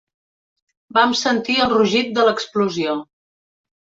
Vam sentir el rugit de l'explosió